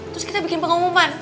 terus kita bikin pengumuman